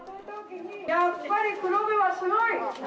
やっぱり黒部はすごい！